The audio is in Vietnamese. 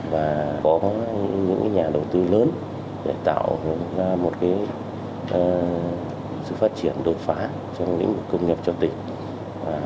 và có những nhà đầu tư lớn để tạo ra một sự phát triển đột phá trong lĩnh vực công nghiệp cho tỉnh